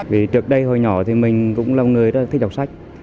vì trước đây hồi nhỏ thì mình cũng là người rất thích đọc sách